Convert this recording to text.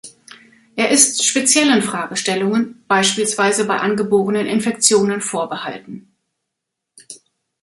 Er ist speziellen Fragestellungen, beispielsweise bei angeborenen Infektionen vorbehalten.